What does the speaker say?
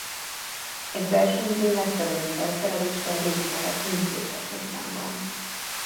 Egy versenyző megfelelő felszereléssel részt vehet mindkét versenyszámban.